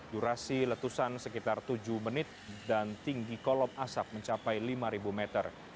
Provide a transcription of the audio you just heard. durasi letusan sekitar tujuh menit dan tinggi kolom asap mencapai lima meter